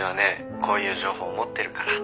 こういう情報持ってるから。